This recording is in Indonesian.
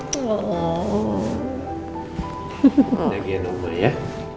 jagain oma ya